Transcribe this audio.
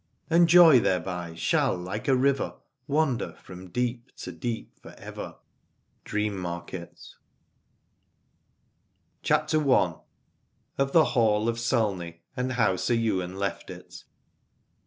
And joy thereby shall like a river Wander from deep to deep for ever. — Dream market. ALADORE. CHAPTER I. OF THE HALL OF SULNEY AND HOW SIR YWAIN LEFT IT.